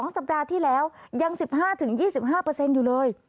สัปดาห์ที่แล้วยัง๑๕๒๕อยู่เลย